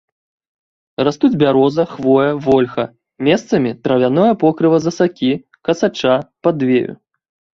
Растуць бяроза, хвоя, вольха, месцамі травяное покрыва з асакі, касача, падвею.